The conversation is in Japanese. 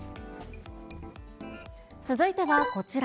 続いてはこちら。